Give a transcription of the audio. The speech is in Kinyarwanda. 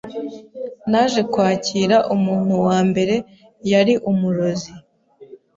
naje kwakira umuntu wa mbere yari umurozi